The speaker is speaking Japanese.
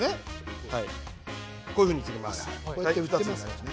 こういうふうに切ります。